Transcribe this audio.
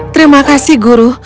terima kasih guru